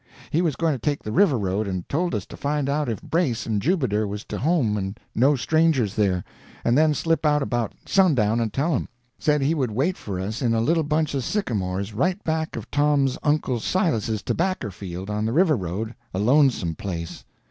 He was going to take the river road, and told us to find out if Brace and Jubiter was to home and no strangers there, and then slip out about sundown and tell him. Said he would wait for us in a little bunch of sycamores right back of Tom's uncle Silas's tobacker field on the river road, a lonesome place.